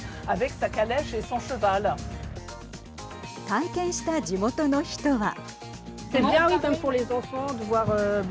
体験した地元の人は。